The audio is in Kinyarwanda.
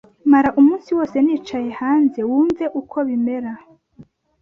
Mara umunsi wose wicaye hanze wumve uko bimera